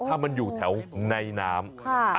ถ้ามันอยู่แถวในน้ำ